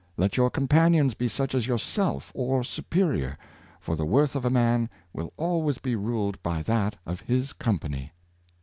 Let your companions be such as yourself or superior; for the worth of a man will always be ruled by that of his company."